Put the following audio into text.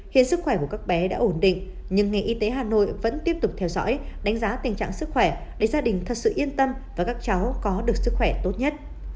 hiện sức khỏe của các bé đã ổn định nhưng ngành y tế hà nội vẫn tiếp tục theo dõi đánh giá tình trạng sức khỏe để gia đình thật sự yên tâm và các cháu có được sức khỏe tốt nhất